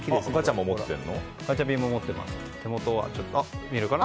ガチャピンも持ってます。